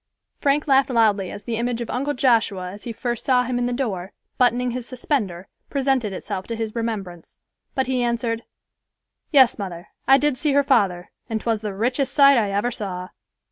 Frank laughed loudly as the image of Uncle Joshua as he first saw him in the door, buttoning his suspender, presented itself to his remembrance; but he answered, "Yes, mother, I did see her father, and 'twas the richest sight I ever saw."